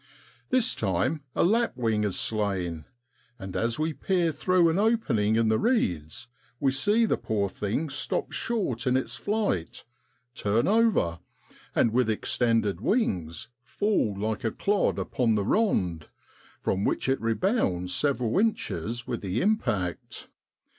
This time a lapwing is slain, and as we peer through an opening in the reeds we see the poor thing stopped short in its flight, turn over, and with extended wings fall like a clod upon the rond, from which it rebounds several inches with the impact.